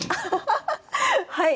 はい。